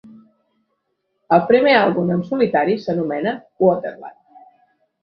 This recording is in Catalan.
El primer àlbum en solitari s'anomena "Waterland".